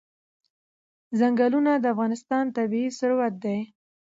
ځنګلونه د افغانستان طبعي ثروت دی.